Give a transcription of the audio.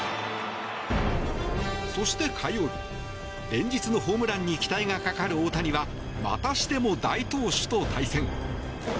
そして火曜日連日のホームランに期待がかかる大谷はまたしても大投手と対戦。